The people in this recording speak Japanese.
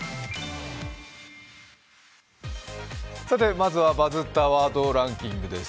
まずは「バズったワードランキング」です。